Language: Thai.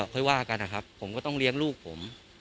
ค่อยว่ากันนะครับผมก็ต้องเลี้ยงลูกผม